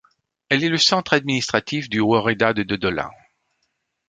Elle est le centre administratif du woreda de Dodola.